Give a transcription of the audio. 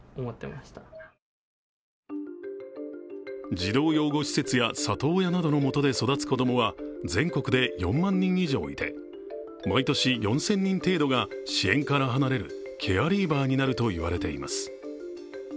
児童養護施設や里親などのもとで育つ子どもは全国で４万人以上いて毎年４０００人程度が支援から離れるケアリーバーになると言われています。